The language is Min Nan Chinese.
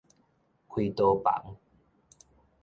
開刀房